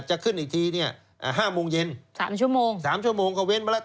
จะขึ้นอีกทีเนี่ยห้าโมงเย็นสามชั่วโมงสามชั่วโมงก็เว้นมาแล้ว